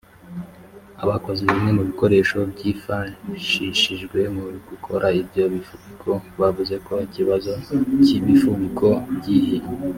abakoze bimwe mu bikoresho byifashishijwe mu gukora ibyo bifubiko bavuze ko ikibazo cy ibifubiko byihi